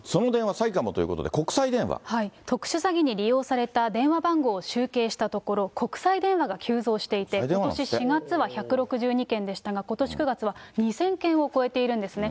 詐欺かもということで、特殊詐欺に利用された電話番号を集計したところ、国際電話が急増していて、ことし４月は１６２件でしたが、ことし９月は２０００件を超えているんですね。